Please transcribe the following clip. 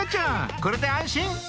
これで安心！